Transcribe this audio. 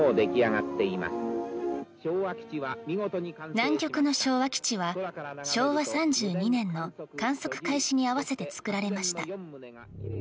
南極の昭和基地は昭和３２年の観測開始に合わせて作られました。